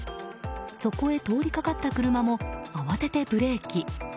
そこへ通りかかった車も慌ててブレーキ。